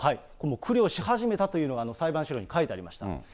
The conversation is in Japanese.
もう苦慮し始めたというのが、裁判資料に書いてありました。